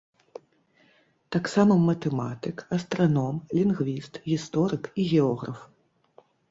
Таксама матэматык, астраном, лінгвіст, гісторык і географ.